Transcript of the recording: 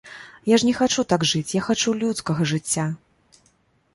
Я ж не хачу так жыць, я хачу людскага жыцця.